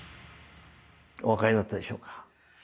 お分かりだったでしょうか？